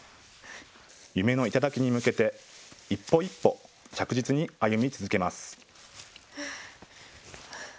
夢の頂に向けて一歩一歩、着実に歩み続けます。